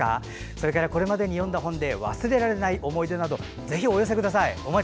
それから今までに読んで忘れられない思い出などお寄せください。